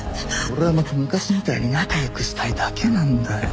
俺はまた昔みたいに仲良くしたいだけなんだよ。